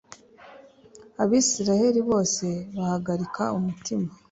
Abisirayeli bose bahagarika umutima.